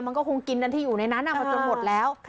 มันก็คงกินอันที่อยู่ในนั้นมาจนหมดแล้ว